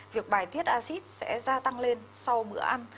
việc bài tiết acid sẽ gia tăng lên sau bữa ăn